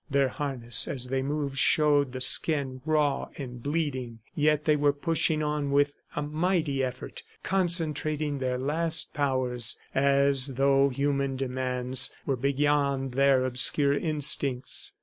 Their harness, as they moved, showed the skin raw and bleeding. Yet they were pushing on with a mighty effort, concentrating their last powers, as though human demands were beyond their obscure instincts.